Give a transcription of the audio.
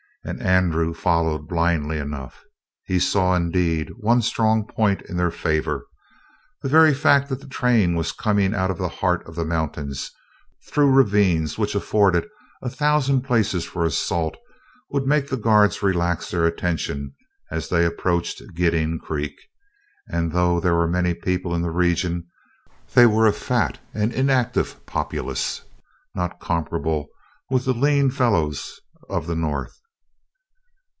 And Andrew followed blindly enough. He saw, indeed, one strong point in their favor. The very fact that the train was coming out of the heart of the mountains, through ravines which afforded a thousand places for assault, would make the guards relax their attention as they approached Gidding Creek. And, though there were many people in the region, they were a fat and inactive populace, not comparable with the lean fellows of the north.